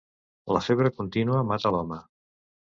La febre contínua mata l'home.